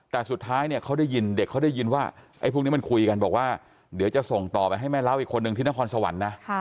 แต่สุดท้ายเด็กเขาได้ยินว่าพวกนี้มันคุยกันบอกว่าเดี๋ยวจะส่งต่อไปให้แม่เล่าอีกคนหนึ่งที่นครสวรรค์